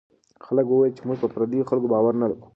خلکو وویل چې موږ په پردیو خلکو باور نه کوو.